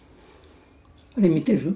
あれ見てる？